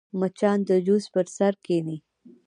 مچان د جوس پر سر کښېني